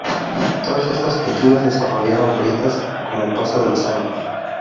Todas estas pinturas desarrollaron grietas con el paso de los años.